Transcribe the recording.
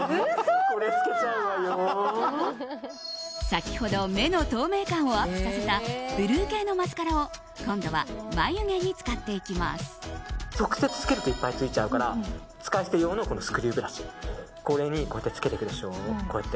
先ほど目の透明感をアップさせたブルー系のマスカラを、今度は直接つけるといっぱいついちゃうから使い捨て用のスクリューブラシこれにつけていくでしょ。